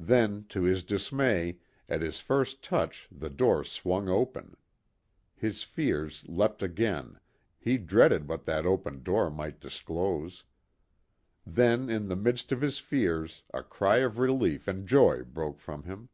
Then, to his dismay, at his first touch, the door swung open. His fears leapt again, he dreaded what that open door might disclose. Then, in the midst of his fears, a cry of relief and joy broke from him.